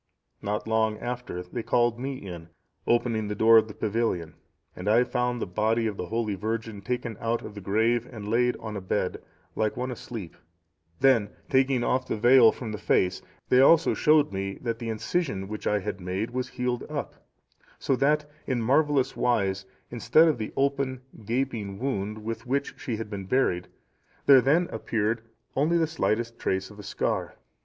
Not long after they called me in, opening the door of the pavilion, and I found the body of the holy virgin taken out of the grave and laid on a bed, like one asleep; then taking off the veil from the face, they also showed me that the incision which I had made was healed up; so that, in marvellous wise, instead of the open gaping wound with which she had been buried, there then appeared only the slightest trace of a scar.